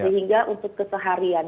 sehingga untuk keseharian